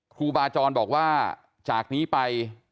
ครูบาจรบอกว่าจากนี้ไป